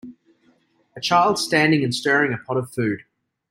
A child standing and stirring a pot of food.